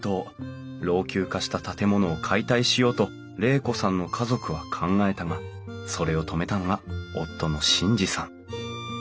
老朽化した建物を解体しようと玲子さんの家族は考えたがそれを止めたのが夫の眞二さん。